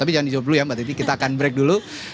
tapi jangan dijawab dulu ya mbak titi kita akan break dulu